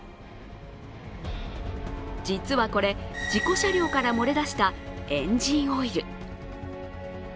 実はこれ、事故車両から漏れ出したエンジンオイル。